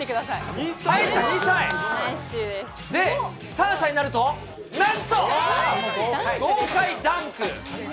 ３歳になると、なんと、豪快ダンク。